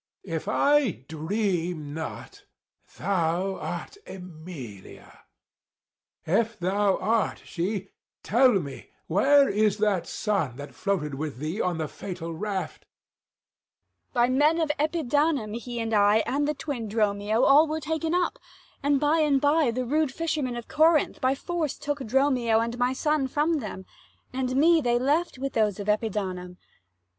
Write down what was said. Æge. If I dream not, thou art Æmilia: 345 If thou art she, tell me where is that son That floated with thee on the fatal raft? Abb. By men of Epidamnum he and I And the twin Dromio, all were taken up; But by and by rude fishermen of Corinth 350 By force took Dromio and my son from them, And me they left with those of Epidamnum.